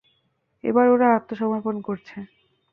এবার ওরা আত্মসমর্পণ করছে।